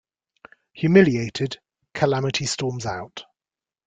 Humiliated, Calamity storms out.